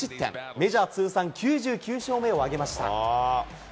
メジャー通算９９勝目を挙げました。